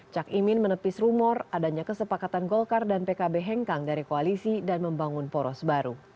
cak imin menepis rumor adanya kesepakatan golkar dan pkb hengkang dari koalisi dan membangun poros baru